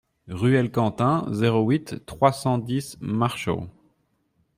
Ruelle Quentin, zéro huit, trois cent dix Machault